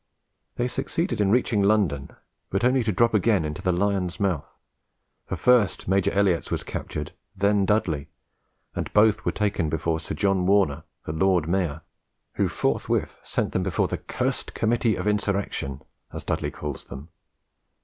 They succeeded in reaching London, but only to drop again into the lion's mouth; for first Major Elliotts was captured, then Dudley, and both were taken before Sir John Warner, the Lord Mayor, who forthwith sent them before the "cursed committee of insurrection," as Dudley calls them.